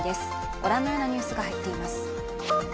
ご覧のようなニュースが入っています。